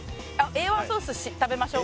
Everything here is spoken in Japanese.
Ａ１ソース食べましょう